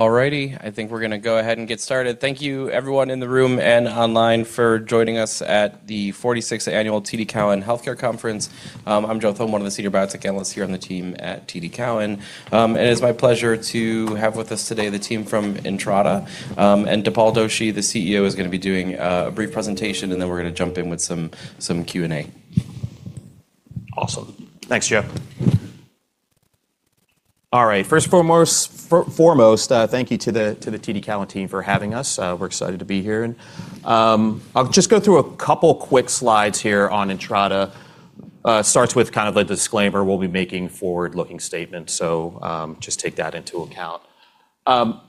All righty. I think we're gonna go ahead and get started. Thank you everyone in the room and online for joining us at the 46th Annual TD Cowen Healthcare Conference. I'm Joe Thome, one of the senior biotech analysts here on the team at TD Cowen. It is my pleasure to have with us today the team from Entrada. Dipal Doshi, the CEO, is gonna be doing a brief presentation, and then we're gonna jump in with some Q&A. Awesome. Thanks, Joe. All right. Foremost, thank you to the TD Cowen team for having us. We're excited to be here. I'll just go through a couple quick slides here on Entrada. It starts with kind of a disclaimer. We'll be making forward-looking statements, so just take that into account. You know,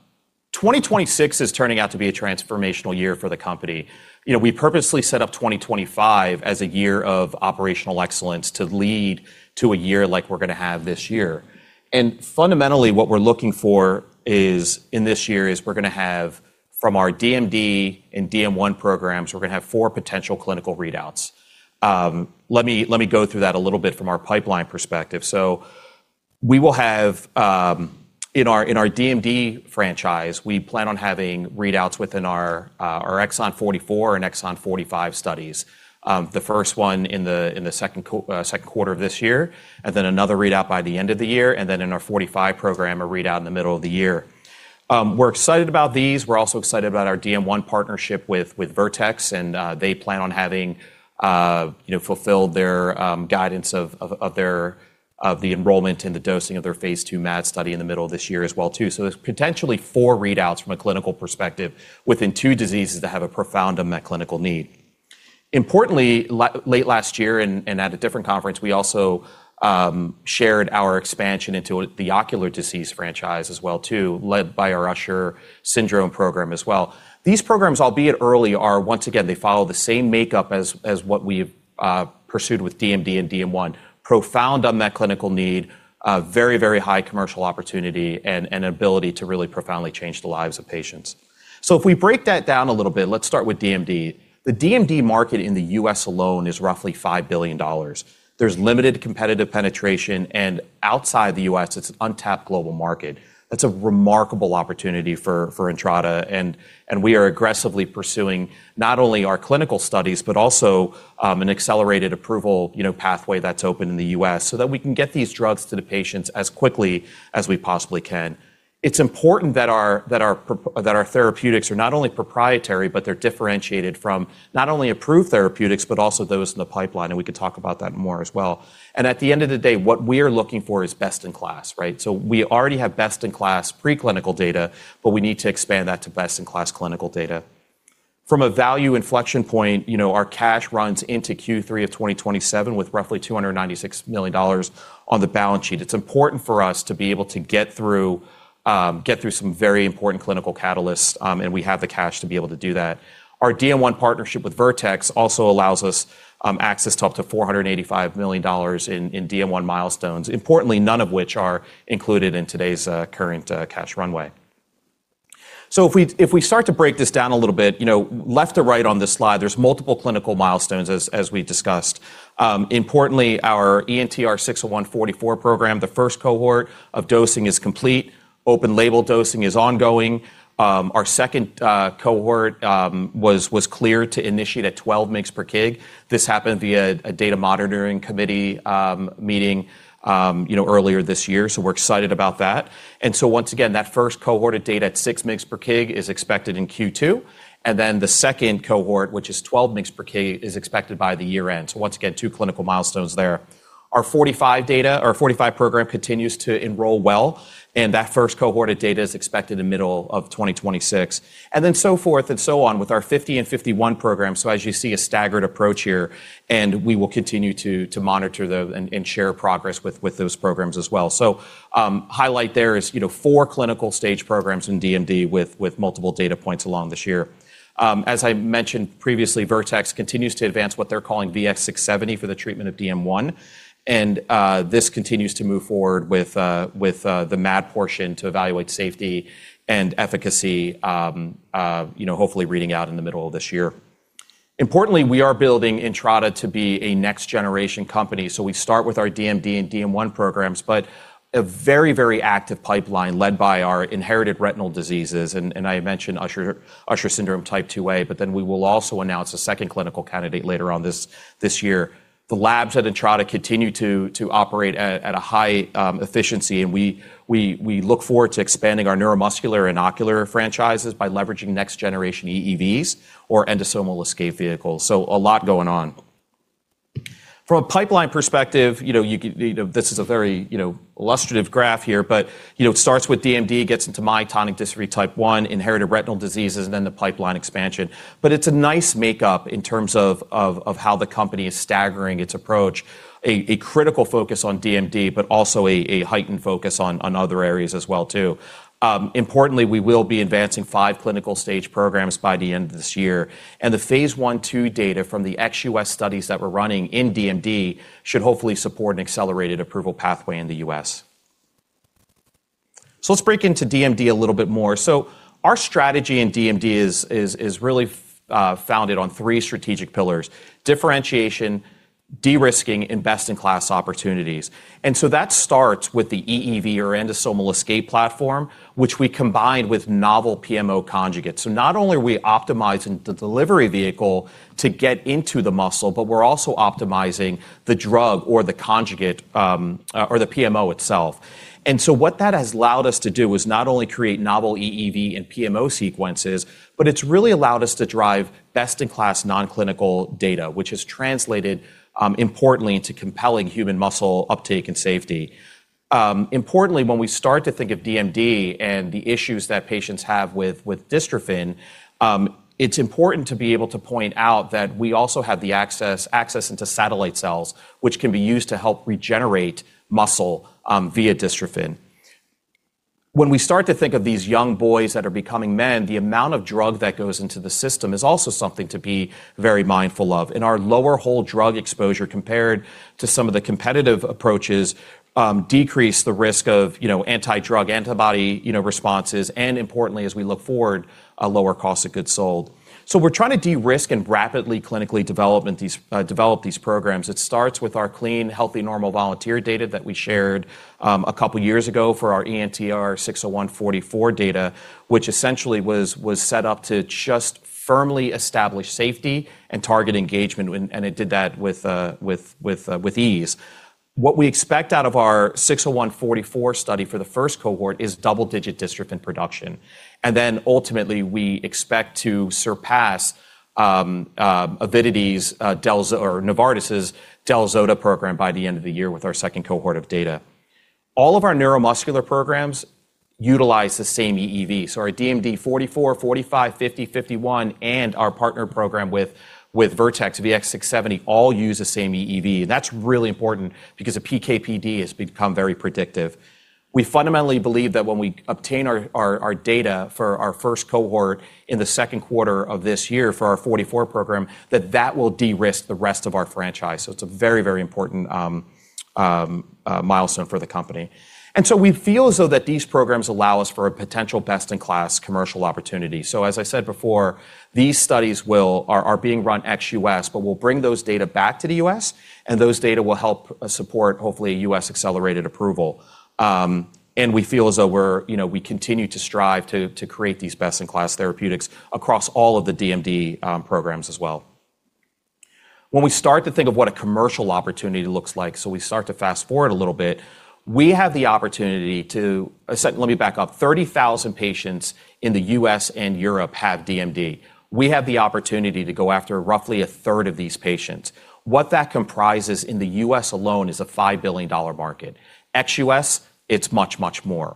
2026 is turning out to be a transformational year for the company. We purposely set up 2025 as a year of operational excellence to lead to a year like we're gonna have this year. Fundamentally what we're looking for is, in this year, is we're gonna have from our DMD and DM1 programs, we're gonna have four potential clinical readouts. Let me go through that a little bit from our pipeline perspective. We will have in our DMD franchise, we plan on having readouts within our exon 44 and exon 45 studies. The first one in the second quarter of this year, and then another readout by the end of the year, and then in our 45 program, a readout in the middle of the year. We're excited about these. We're also excited about our DM1 partnership with Vertex, and they plan on having, you know, fulfilled their guidance of their enrollment and the dosing of their phase II MAD study in the middle of this year as well too. There's potentially four readouts from a clinical perspective within two diseases that have a profound unmet clinical need. Importantly, late last year and at a different conference, we also shared our expansion into the ocular disease franchise as well too, led by our Usher syndrome program as well. These programs, albeit early, are once again, they follow the same makeup as what we've pursued with DMD and DM1. Profound unmet clinical need, a very high commercial opportunity, and an ability to really profoundly change the lives of patients. If we break that down a little bit, let's start with DMD. The DMD market in the U.S. alone is roughly $5 billion. There's limited competitive penetration, and outside the U.S., it's an untapped global market. That's a remarkable opportunity for Entrada and we are aggressively pursuing not only our clinical studies, but also an Accelerated Approval, you know, pathway that's open in the U.S. so that we can get these drugs to the patients as quickly as we possibly can. It's important that our therapeutics are not only proprietary, but they're differentiated from not only approved therapeutics, but also those in the pipeline, and we can talk about that more as well. At the end of the day, what we're looking for is best in class, right? We already have best in class preclinical data, but we need to expand that to best in class clinical data. From a value inflection point, you know, our cash runs into Q3 of 2027 with roughly $296 million on the balance sheet. It's important for us to be able to get through, get through some very important clinical catalysts, and we have the cash to be able to do that. Our DM1 partnership with Vertex also allows us access to up to $485 million in DM1 milestones, importantly, none of which are included in today's current cash runway. If we start to break this down a little bit, you know, left to right on this slide, there's multiple clinical milestones as we discussed. Importantly, our ENTR-601-44 program, the first cohort of dosing is complete. Open label dosing is ongoing. Our second cohort was cleared to initiate at 12 mgs per kg. This happened via a data monitoring committee meeting, you know, earlier this year, so we're excited about that. Once again, that first cohort of data at 6 mgs per kg is expected in Q2. The second cohort, which is 12 mgs per kg, is expected by the year-end. Once again, two clinical milestones there. Our 45 data or 45 program continues to enroll well, and that first cohort of data is expected in middle of 2026, and then so forth and so on with our 50 and 51 programs. As you see, a staggered approach here, and we will continue to monitor and share progress with those programs as well. Highlight there is, you know, four clinical stage programs in DMD with multiple data points along this year. As I mentioned previously, Vertex continues to advance what they're calling VX-670 for the treatment of DM1. This continues to move forward with the MAD portion to evaluate safety and efficacy, you know, hopefully reading out in the middle of this year. Importantly, we are building Entrada to be a next generation company. We start with our DMD and DM1 programs, but a very active pipeline led by our inherited retinal diseases. I mentioned Usher syndrome type 2A, but then we will also announce a second clinical candidate later on this year. The labs at Entrada continue to operate at a high efficiency, and we look forward to expanding our neuromuscular and ocular franchises by leveraging next generation EEVs or endosomal escape vehicles. A lot going on. From a pipeline perspective, you know, this is a very, you know, illustrative graph here, but, you know, it starts with DMD, gets into myotonic dystrophy type 1, inherited retinal diseases, and then the pipeline expansion. It's a nice makeup in terms of, of how the company is staggering its approach. A, a critical focus on DMD, but also a heightened focus on other areas as well too. Importantly, we will be advancing five clinical stage programs by the end of this year, and the phase I/II data from the ex-U.S. studies that we're running in DMD should hopefully support an Accelerated Approval pathway in the U.S. Let's break into DMD a little bit more. Our strategy in DMD is really founded on three strategic pillars: differentiation, de-risking in best-in-class opportunities. That starts with the EEV or endosomal escape platform, which we combined with novel PMO conjugates. Not only are we optimizing the delivery vehicle to get into the muscle, but we're also optimizing the drug or the conjugate, or the PMO itself. What that has allowed us to do is not only create novel EEV and PMO sequences, but it's really allowed us to drive best-in-class non-clinical data, which has translated importantly into compelling human muscle uptake and safety. Importantly, when we start to think of DMD and the issues that patients have with dystrophin, it's important to be able to point out that we also have the access into satellite cells, which can be used to help regenerate muscle via dystrophin. When we start to think of these young boys that are becoming men, the amount of drug that goes into the system is also something to be very mindful of. In our lower whole drug exposure compared to some of the competitive approaches, decrease the risk of, you know, anti-drug antibody, you know, responses, and importantly, as we look forward, a lower cost of goods sold. We're trying to de-risk and rapidly clinically develop these programs. It starts with our clean, healthy, normal volunteer data that we shared, a couple years ago for our ENTR-601-44 data, which essentially was set up to just firmly establish safety and target engagement. It did that with ease. What we expect out of our 601-44 study for the first cohort is double-digit dystrophin production. Ultimately, we expect to surpass Avidity's or Novartis' Del-zota program by the end of the year with our second cohort of data. All of our neuromuscular programs utilize the same EEV. Our DMD 44, 45, 50, 51, and our partner program with Vertex VX-670 all use the same EEV. That's really important because a PK/PD has become very predictive. We fundamentally believe that when we obtain our data for our first cohort in the second quarter of this year for our 44 program, that that will de-risk the rest of our franchise. It's a very, very important milestone for the company. We feel as though that these programs allow us for a potential best-in-class commercial opportunity. As I said before, these studies are being run ex-U.S., but we'll bring those data back to the U.S., and those data will help support hopefully a U.S. Accelerated Approval. We feel as though we're, you know, we continue to strive to create these best-in-class therapeutics across all of the DMD programs as well. When we start to think of what a commercial opportunity looks like, so we start to fast-forward a little bit, let me back up. 30,000 patients in the U.S. and Europe have DMD. We have the opportunity to go after roughly a third of these patients. What that comprises in the U.S. alone is a $5 billion market. Ex U.S., it's much, much more.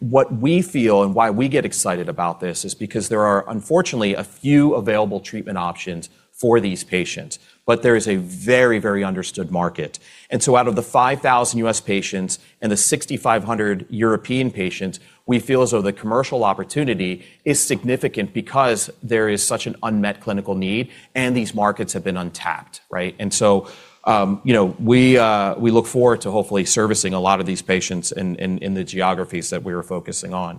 What we feel and why we get excited about this is because there are unfortunately a few available treatment options for these patients, but there is a very, very understood market. Out of the 5,000 U.S. patients and the 6,500 European patients, we feel as though the commercial opportunity is significant because there is such an unmet clinical need, and these markets have been untapped, right? You know, we look forward to hopefully servicing a lot of these patients in the geographies that we are focusing on.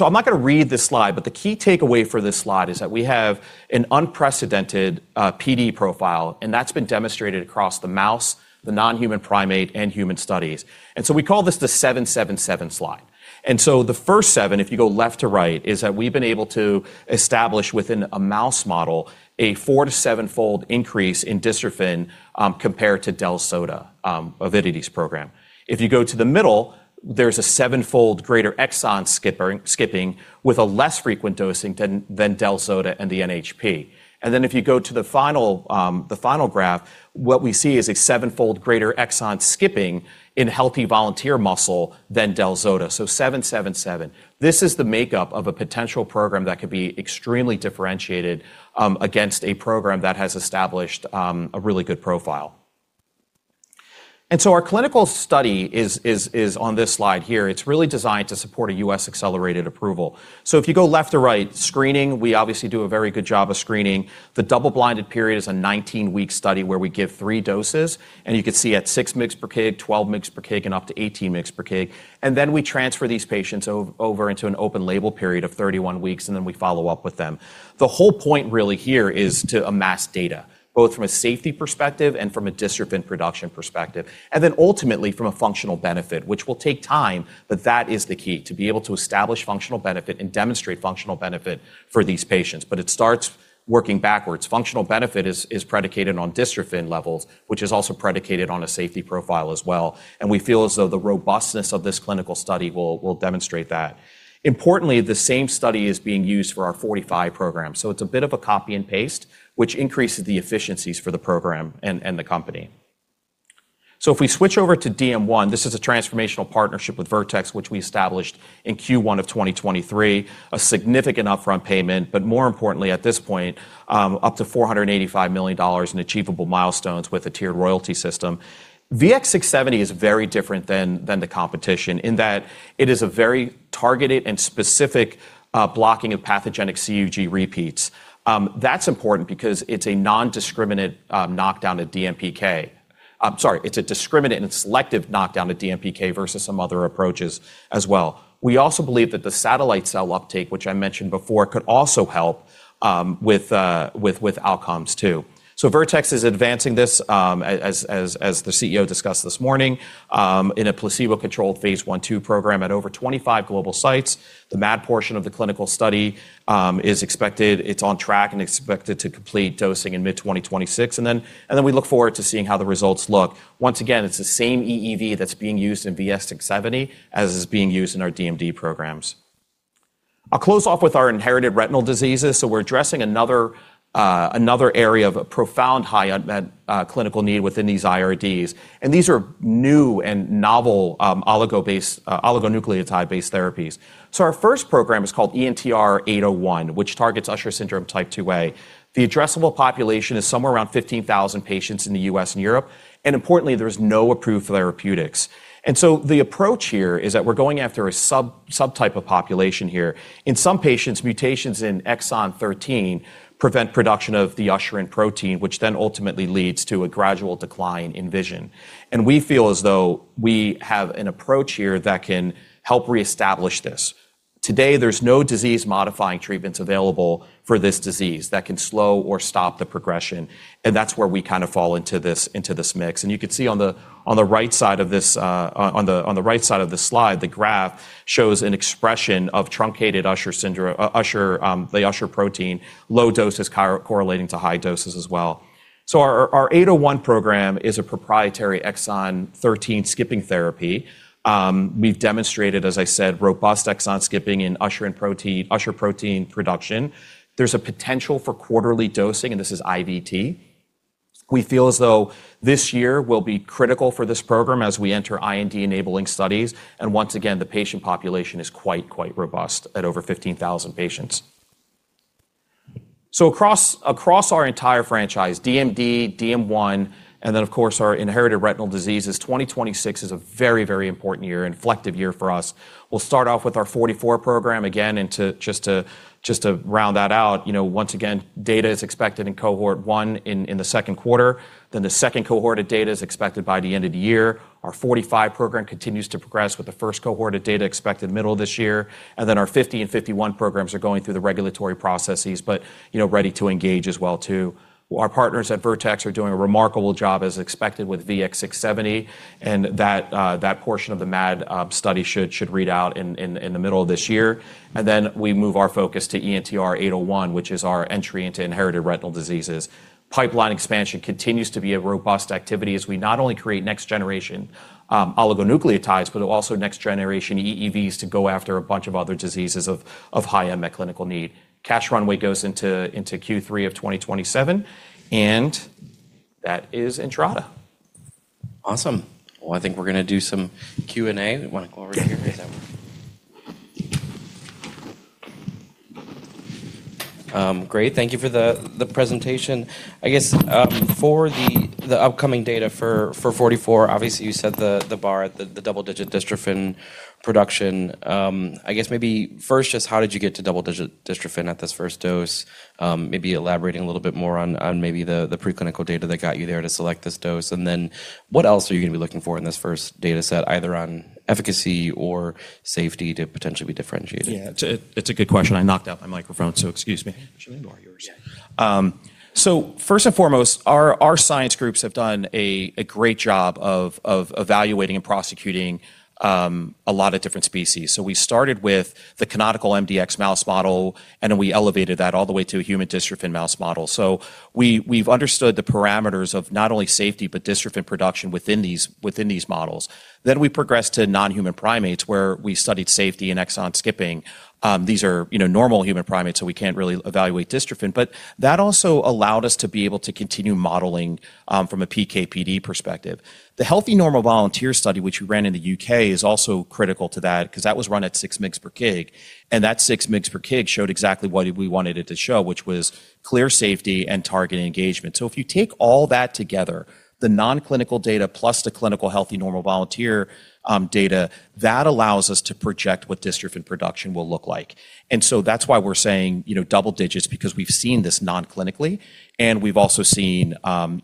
I'm not gonna read this slide, but the key takeaway for this slide is that we have an unprecedented PD profile, and that's been demonstrated across the mouse, the non-human primate, and human studies. We call this the seven, seven, seven slide. The first seven, if you go left to right, is that we've been able to establish within a mouse model a four- to seven-fold increase in dystrophin compared to Del-zota, Avidity's program. If you go to the middle, there's a seven-fold greater exon skipping with a less frequent dosing than Del-zota and the NHP. If you go to the final, the final graph, what we see is a seven-fold greater exon skipping in healthy volunteer muscle than Del-zota. So seven, seven, seven. This is the makeup of a potential program that could be extremely differentiated against a program that has established a really good profile. Our clinical study is on this slide here. It's really designed to support a U.S. Accelerated Approval. If you go left to right, screening, we obviously do a very good job of screening. The double-blinded period is a 19-week study where we give three doses, and you can see at 6 mgs per kg, 12 mgs per kg, and up to 18 mgs per kg. Then we transfer these patients over into an open label period of 31 weeks, and then we follow up with them. The whole point really here is to amass data, both from a safety perspective and from a dystrophin production perspective, and then ultimately from a functional benefit, which will take time, but that is the key, to be able to establish functional benefit and demonstrate functional benefit for these patients. It starts working backwards. Functional benefit is predicated on dystrophin levels, which is also predicated on a safety profile as well. We feel as though the robustness of this clinical study will demonstrate that. Importantly, the same study is being used for our 45 program. It's a bit of a copy and paste, which increases the efficiencies for the program and the company. If we switch over to DM1, this is a transformational partnership with Vertex, which we established in Q1 of 2023, a significant upfront payment, but more importantly at this point, up to $485 million in achievable milestones with a tiered royalty system. VX-670 is very different than the competition in that it is a very targeted and specific blocking of pathogenic CUG repeats. That's important because it's a non-discriminate knockdown to DMPK. I'm sorry, it's a discriminate and selective knockdown to DMPK versus some other approaches as well. We also believe that the satellite cell uptake, which I mentioned before, could also help with outcomes too. Vertex is advancing this as the CEO discussed this morning in a placebo-controlled phase I/II program at over 25 global sites. The MAD portion of the clinical study is on track and expected to complete dosing in mid-2026. We look forward to seeing how the results look. Once again, it's the same EEV that's being used in VX-670, as is being used in our DMD programs. I'll close off with our inherited retinal diseases. We're addressing another area of a profound high unmet clinical need within these IRDs. These are new and novel oligo-based, oligonucleotide-based therapies. Our first program is called ENTR-801, which targets Usher syndrome type 2A. The addressable population is somewhere around 15,000 patients in the U.S. and Europe. Importantly, there's no approved therapeutics. The approach here is that we're going after a sub-subtype of population here. In some patients, mutations in exon 13 prevent production of the usherin protein, which then ultimately leads to a gradual decline in vision. We feel as though we have an approach here that can help reestablish this. Today, there's no disease-modifying treatments available for this disease that can slow or stop the progression, and that's where we kinda fall into this mix. You can see on the, on the right side of this, on the, on the right side of the slide, the graph shows an expression of truncated Usher protein, low doses correlating to high doses as well. Our 801 program is a proprietary exon 13 skipping therapy. We've demonstrated, as I said, robust exon skipping in usherin protein, usher protein production. There's a potential for quarterly dosing, and this is IVT. We feel as though this year will be critical for this program as we enter IND-enabling studies. Once again, the patient population is quite robust at over 15,000 patients. Across our entire franchise, DMD, DM1, and then, of course, our inherited retinal diseases, 2026 is a very, very important year, inflective year for us. We'll start off with our 44 program again, to round that out, you know, once again, data is expected in cohort one in the second quarter. The second cohort of data is expected by the end of the year. Our 45 program continues to progress with the first cohort of data expected middle of this year. Our 50 and 51 programs are going through the regulatory processes, you know, ready to engage as well too. Our partners at Vertex are doing a remarkable job as expected with VX-670, that portion of the MAD study should read out in the middle of this year. We move our focus to ENTR-801, which is our entry into inherited retinal diseases. Pipeline expansion continues to be a robust activity as we not only create next generation, oligonucleotides, but also next generation EEVs to go after a bunch of other diseases of high unmet clinical need. Cash runway goes into Q3 of 2027. That is Entrada. Awesome. Well, I think we're gonna do some Q&A. Wanna come over here? Yeah. Great. Thank you for the presentation. I guess, for the upcoming data for exon 44, obviously you set the bar at the double-digit dystrophin production. I guess maybe first just how did you get to double-digit dystrophin at this first dose? Maybe elaborating a little bit more on maybe the preclinical data that got you there to select this dose? What else are you gonna be looking for in this first data set, either on efficacy or safety to potentially be differentiated? Yeah. It's a good question. I knocked out my microphone, so excuse me. Should I do yours? Yeah. First and foremost, our science groups have done a great job of evaluating and prosecuting a lot of different species. We started with the canonical mdx mouse model, and then we elevated that all the way to a human dystrophin mouse model. We've understood the parameters of not only safety, but dystrophin production within these models. We progressed to non-human primates, where we studied safety and exon skipping. These are, you know, normal human primates, so we can't really evaluate dystrophin. That also allowed us to be able to continue modeling from a PK/PD perspective. The healthy normal volunteer study, which we ran in the U.K., is also critical to that 'cause that was run at 6 mg/kg, and that 6 mg/kg showed exactly what we wanted it to show, which was clear safety and targeting engagement. If you take all that together, the non-clinical data plus the clinical healthy normal volunteer data, that allows us to project what dystrophin production will look like. That's why we're saying, you know, double digits because we've seen this non-clinically, and we've also seen,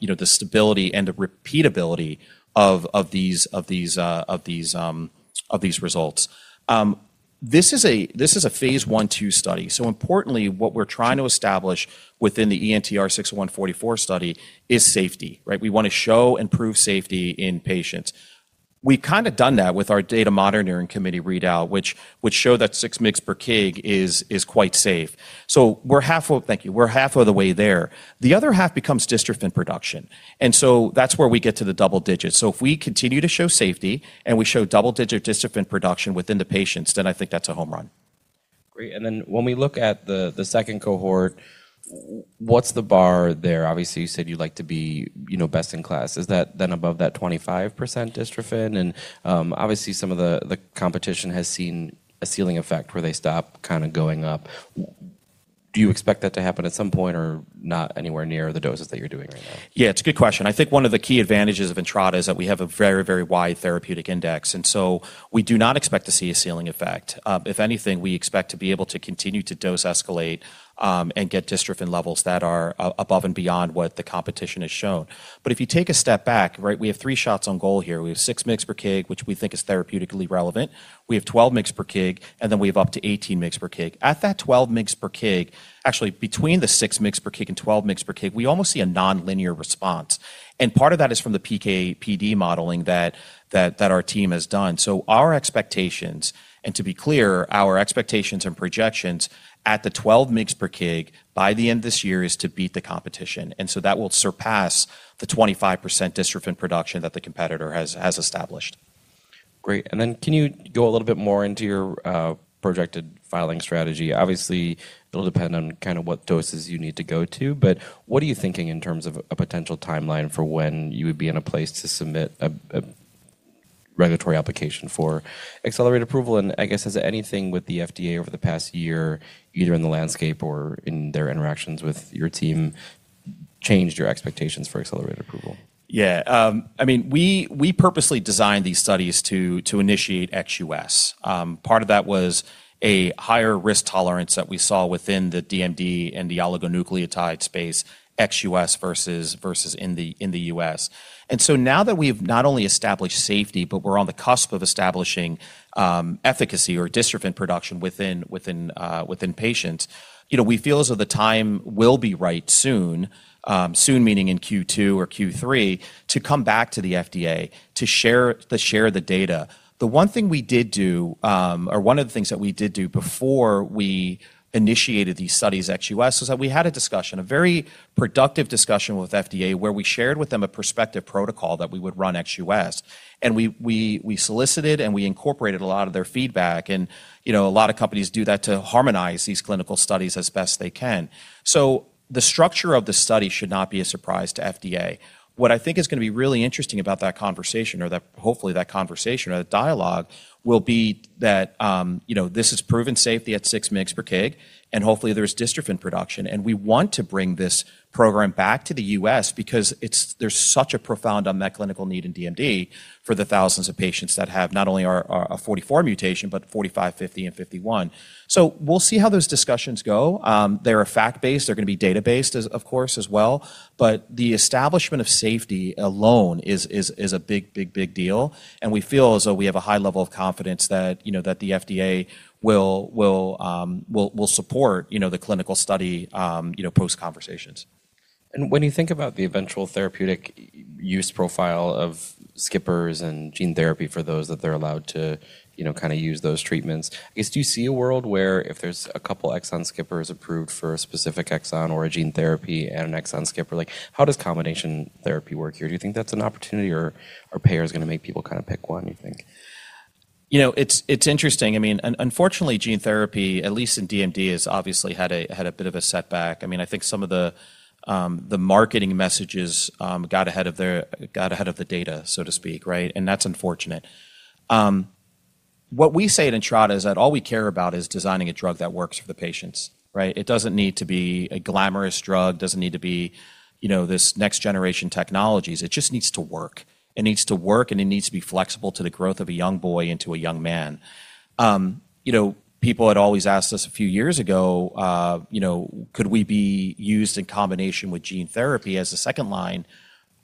you know, the stability and the repeatability of these results. This is a phase I/II study. Importantly, what we're trying to establish within the ENTR-601-44 study is safety, right? We wanna show and prove safety in patients. We've kinda done that with our data monitoring committee readout, which show that 6 mg/kg is quite safe. Thank you. We're half of the way there. The other half becomes dystrophin production, that's where we get to the double digits. If we continue to show safety and we show double-digit dystrophin production within the patients, I think that's a home run. Great. When we look at the second cohort, what's the bar there? Obviously, you said you'd like to be, you know, best in class. Is that then above that 25% dystrophin? Obviously some of the competition has seen a ceiling effect where they stop kinda going up. Do you expect that to happen at some point or not anywhere near the doses that you're doing right now? Yeah, it's a good question. I think one of the key advantages of Entrada is that we have a very, very wide therapeutic index. So we do not expect to see a ceiling effect. If anything, we expect to be able to continue to dose escalate, and get dystrophin levels that are above and beyond what the competition has shown. If you take a step back, right, we have three shots on goal here. We have 6 mgs per kg, which we think is therapeutically relevant. We have 12 mgs per kg, and then we have up to 18 mgs per kg. At that 12 mgs per kg. Actually, between the 6 mgs per kg and 12 mgs per kg, we almost see a nonlinear response. Part of that is from the PK/PD modeling that our team has done. Our expectations, and to be clear, our expectations and projections at the 12 mgs per kg by the end of this year is to beat the competition. That will surpass the 25% dystrophin production that the competitor has established. Great. Can you go a little bit more into your projected filing strategy? Obviously, it'll depend on kind of what doses you need to go to, but what are you thinking in terms of a potential timeline for when you would be in a place to submit a regulatory application for Accelerated Approval? I guess, has anything with the FDA over the past year, either in the landscape or in their interactions with your team, changed your expectations for Accelerated Approval? Yeah. I mean, we purposely designed these studies to initiate ex U.S. Part of that was a higher risk tolerance that we saw within the DMD and the oligonucleotide space, ex U.S. versus in the U.S. Now that we've not only established safety, but we're on the cusp of establishing efficacy or dystrophin production within patients, you know, we feel as though the time will be right soon meaning in Q2 or Q3, to come back to the FDA to share the data. The one thing we did do, or one of the things that we did do before we initiated these studies ex U.S. was that we had a discussion, a very productive discussion with FDA, where we shared with them a prospective protocol that we would run ex U.S. We solicited and we incorporated a lot of their feedback. You know, a lot of companies do that to harmonize these clinical studies as best they can. The structure of the study should not be a surprise to FDA. What I think is gonna be really interesting about that conversation, or that, hopefully, that conversation or that dialogue, will be that, you know, this is proven safety at 6 mgs per kg, and hopefully there's dystrophin production. We want to bring this program back to the U.S. because there's such a .profound unmet clinical need in DMD for the thousands of patients that have not only our 44 mutation, but 45, 50, and 51. We'll see how those discussions go. They are fact-based. They're gonna be data-based as, of course, as well. The establishment of safety alone is a big deal. We feel as though we have a high level of confidence that, you know, that the FDA will support, you know, the clinical study, you know, post conversations. When you think about the eventual therapeutic use profile of skippers and gene therapy for those that they're allowed to, you know, kinda use those treatments, I guess, do you see a world where if there's a couple exon skippers approved for a specific exon or a gene therapy and an exon skipper, like, how does combination therapy work here? Do you think that's an opportunity or payer's gonna make people kinda pick one, you think? You know, it's interesting. I mean, unfortunately, gene therapy, at least in DMD, has obviously had a bit of a setback. I mean, I think some of the marketing messages got ahead of the data, so to speak, right? That's unfortunate. What we say at Entrada is that all we care about is designing a drug that works for the patients, right? It doesn't need to be a glamorous drug. Doesn't need to be, you know, this next-generation technologies. It just needs to work. It needs to work, and it needs to be flexible to the growth of a young boy into a young man. You know, people had always asked us a few years ago, you know, could we be used in combination with gene therapy as a second-line?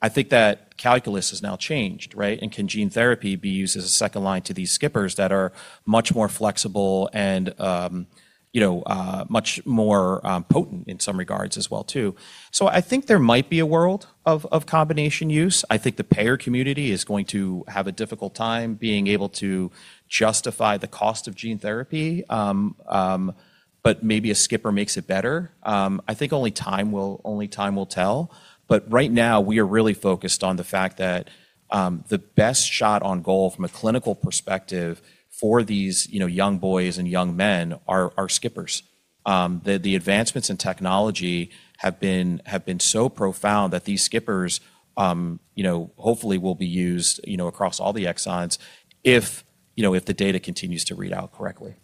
I think that calculus has now changed, right? Can gene therapy be used as a second line to these skippers that are much more flexible and, you know, much more potent in some regards as well too. I think there might be a world of combination use. I think the payer community is going to have a difficult time being able to justify the cost of gene therapy. But maybe a skipper makes it better. I think only time will tell. Right now, we are really focused on the fact that, the best shot on goal from a clinical perspective for these, you know, young boys and young men are skippers. The advancements in technology have been so profound that these skippers, you know, hopefully will be used, you know, across all the exons if, you know, if the data continues to read out correctly.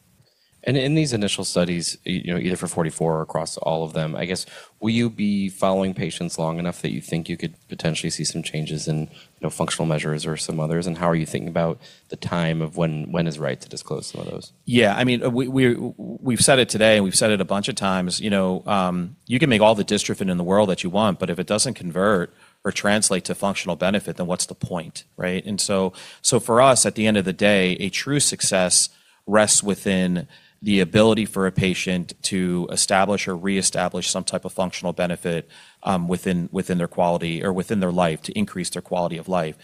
In these initial studies, you know, either for 44 or across all of them, I guess, will you be following patients long enough that you think you could potentially see some changes in, you know, functional measures or some others? How are you thinking about the time of when is right to disclose some of those? Yeah. I mean, we've said it today, and we've said it a bunch of times. You know, you can make all the dystrophin in the world that you want, but if it doesn't convert or translate to functional benefit, then what's the point, right? So for us, at the end of the day, a true success rests within the ability for a patient to establish or reestablish some type of functional benefit, within their quality or within their life to increase their quality of life.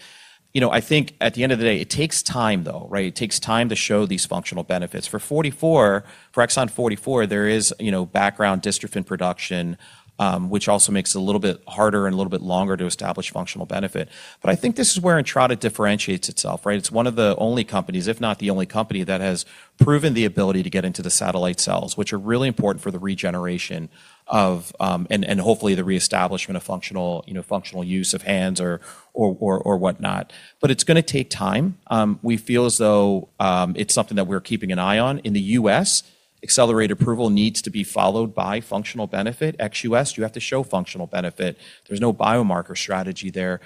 You know, I think at the end of the day, it takes time, though, right? It takes time to show these functional benefits. For 44, for exon 44, there is, you know, background dystrophin production, which also makes it a little bit harder and a little bit longer to establish functional benefit. I think this is where Entrada differentiates itself, right? It's one of the only companies, if not the only company, that has proven the ability to get into the satellite cells, which are really important for the regeneration of. Hopefully the reestablishment of functional, you know, functional use of hands or whatnot. It's gonna take time. We feel as though it's something that we're keeping an eye on. In the U.S., Accelerated Approval needs to be followed by functional benefit. Ex-U.S., you have to show functional benefit. There's no biomarker strategy there.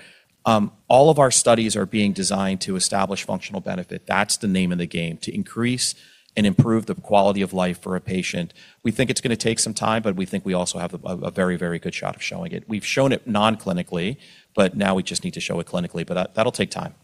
All of our studies are being designed to establish functional benefit. That's the name of the game, to increase and improve the quality of life for a patient. We think it's gonna take some time. We think we also have a very good shot of showing it. We've shown it non-clinically. Now we just need to show it clinically. That'll take time.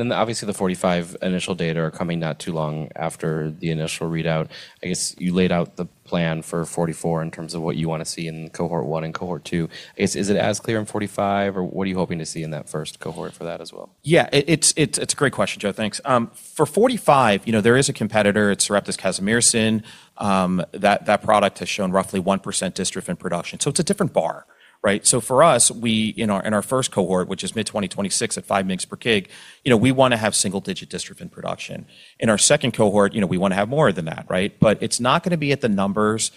Obviously the 45 initial data are coming not too long after the initial readout. I guess you laid out the plan for 44 in terms of what you wanna see in cohort one and cohort two. Is it as clear in 45 or what are you hoping to see in that first cohort for that as well? Yeah. It's a great question, Joe. Thanks. For 45, you know, there is a competitor, it's Sarepta's casimersen, that product has shown roughly 1% dystrophin production, so it's a different bar, right? For us, we, in our first cohort, which is mid 26 at 5 mgs per kg, you know, we wanna have single-digit dystrophin production. In our second cohort, you know, we wanna have more than that, right? It's not gonna be at the numbers,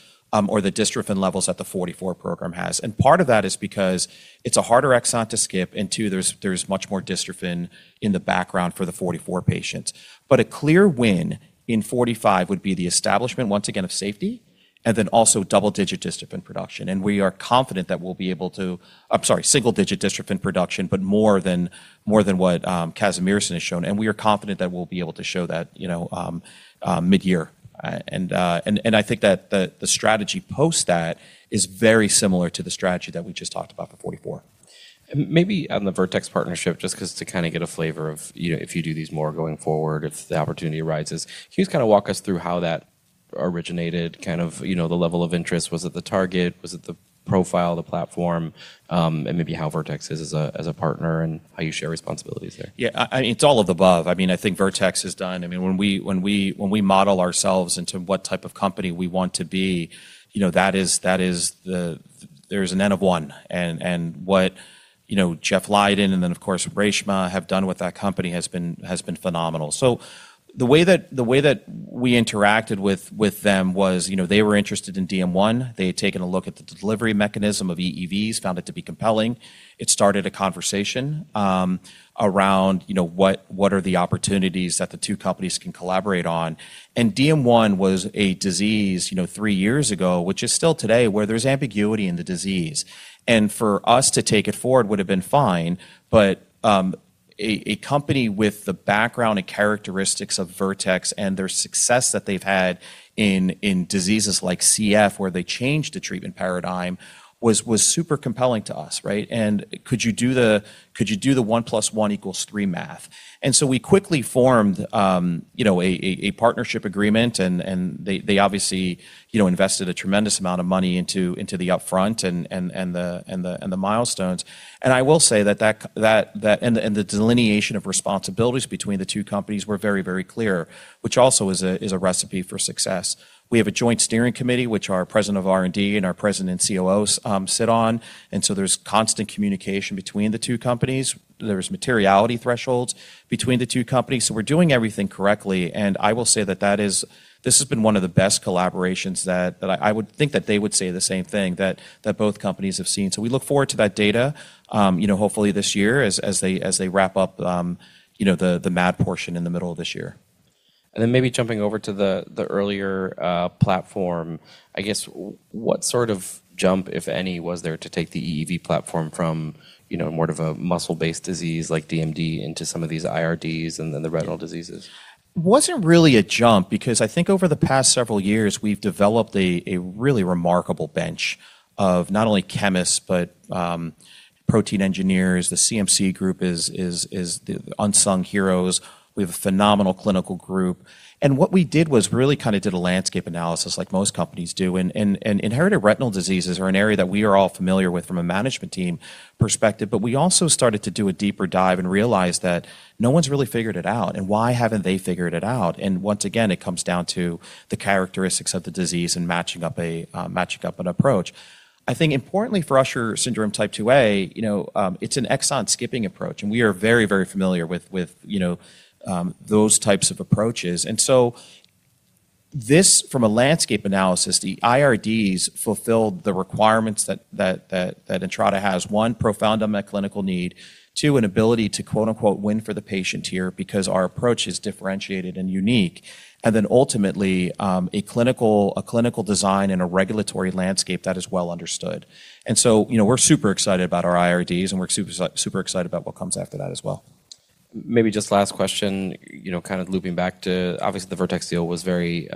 or the dystrophin levels that the 44 program has. Part of that is because it's a harder exon to skip, and two, there's much more dystrophin in the background for the 44 patients. A clear win in 45 would be the establishment, once again, of safety, and then also double-digit dystrophin production. We are confident that we'll be able to... I'm sorry, single-digit dystrophin production, but more than what casimersen has shown. We are confident that we'll be able to show that, you know, mid-year. I think that the strategy post that is very similar to the strategy that we just talked about for 44. Maybe on the Vertex partnership, just 'cause to kinda get a flavor of, you know, if you do these more going forward, if the opportunity arises. Can you just kinda walk us through how that originated kind of, you know, the level of interest? Was it the target? Was it the profile, the platform? Maybe how Vertex is as a partner, and how you share responsibilities there? Yeah. It's all of the above. I mean, when we model ourselves into what type of company we want to be, you know, there's an N of one. What, you know, Jeff Leiden and then of course Reshma have done with that company has been phenomenal. The way that we interacted with them was, you know, they were interested in DM1. They had taken a look at the delivery mechanism of EEVs, found it to be compelling. It started a conversation around, you know, what are the opportunities that the two companies can collaborate on. DM1 was a disease, you know, three years ago, which is still today, where there's ambiguity in the disease. For us to take it forward would've been fine, but a company with the background and characteristics of Vertex and their success that they've had in diseases like CF, where they changed the treatment paradigm, was super compelling to us, right? Could you do the one plus one equals three math? We quickly formed, you know, a partnership agreement, and they obviously, you know, invested a tremendous amount of money into the upfront and the milestones. I will say that the delineation of responsibilities between the two companies were very, very clear, which also is a, is a recipe for success. We have a Joint Steering Committee, which our president of R&D and our president and COOs sit on. There's constant communication between the two companies. There's materiality thresholds between the two companies. We're doing everything correctly, and I will say This has been one of the best collaborations that I would think that they would say the same thing, that both companies have seen. We look forward to that data, you know, hopefully this year as they wrap up, you know, the MAD portion in the middle of this year. Maybe jumping over to the earlier platform. I guess what sort of jump, if any, was there to take the EEV platform from, you know, more of a muscle-based disease like DMD into some of these IRDs and then the retinal diseases? It wasn't really a jump because I think over the past several years we've developed a really remarkable bench of not only chemists, but protein engineers. The CMC Group is the unsung heroes. We have a phenomenal clinical group. What we did was really kind of did a landscape analysis like most companies do. Inherited retinal diseases are an area that we are all familiar with from a management team perspective, but we also started to do a deeper dive and realized that no one's really figured it out, and why haven't they figured it out? Once again, it comes down to the characteristics of the disease and matching up a matching up an approach. I think importantly for Usher syndrome type 2A, you know, it's an exon-skipping approach, and we are very, very familiar with, you know, those types of approaches. This, from a landscape analysis, the IRDs fulfilled the requirements that Entrada has. One, profound unmet clinical need. Two, an ability to, quote-unquote, "win for the patient" here because our approach is differentiated and unique. Ultimately, a clinical design and a regulatory landscape that is well understood. You know, we're super excited about our IRDs, and we're super excited about what comes after that as well. Maybe just last question, you know, kind of looping back to obviously the Vertex deal was very,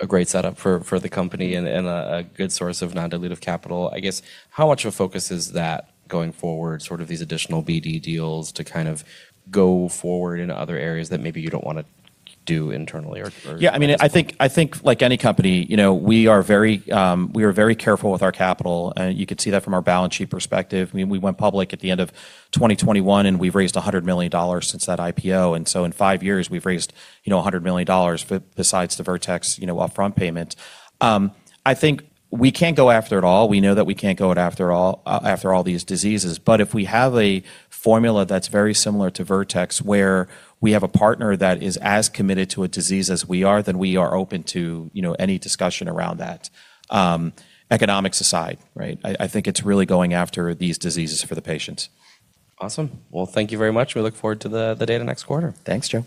a great setup for the company and a good source of non-dilutive capital. I guess how much of a focus is that going forward, sort of these additional BD deals to kind of go forward into other areas that maybe you don't wanna do internally or? I mean, I think like any company, you know, we are very careful with our capital, and you could see that from our balance sheet perspective. I mean, we went public at the end of 2021, and we've raised $100 million since that IPO. In five years we've raised, you know, $100 million besides the Vertex, you know, upfront payment. I think we can't go after it all. We know that we can't go it after all, after all these diseases. If we have a formula that's very similar to Vertex, where we have a partner that is as committed to a disease as we are, then we are open to, you know, any discussion around that. Economics aside, right? I think it's really going after these diseases for the patients. Awesome. Well, thank you very much. We look forward to the data next quarter. Thanks, Joe.